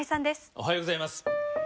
おはようございます。